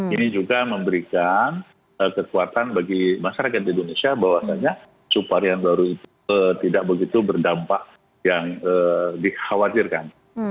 ini juga memberikan kekuatan bagi masyarakat di indonesia bahwasanya subvarian baru itu tidak begitu berdampak yang dikhawatirkan